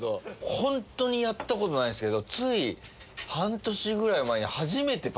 本当にやったことないんすけど。